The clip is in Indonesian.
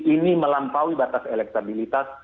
ini melampaui batas elektabilitas